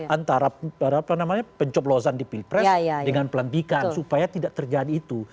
antara pencoplosan di pilpres dengan pelantikan supaya tidak terjadi itu